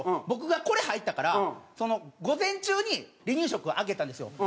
僕がこれ入ったから午前中に離乳食あげたんですよ。